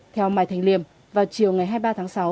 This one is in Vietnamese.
theo mai thanh liêm vào chiều ngày hai mươi ba tháng sáu